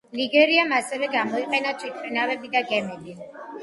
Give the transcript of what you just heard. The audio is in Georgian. ნიგერიამ ასევე გამოიყენა თვითმფრინავები და გემები.